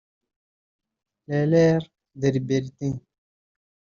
L’heure de liberité